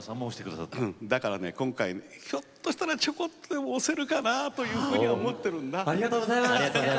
だから今回、ちょこっとでも押せるかなというふうに思っているんだ。